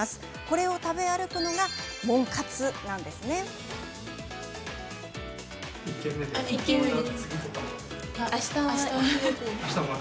これを食べ歩くのがモン活なんですよ。